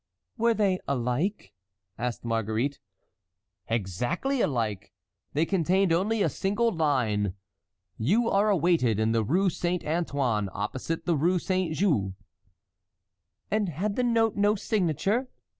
"Were they alike?" asked Marguerite. "Exactly alike. They contained only a single line: "'You are awaited in the Rue Saint Antoine, opposite the Rue Saint Jouy.'" "And had the note no signature?"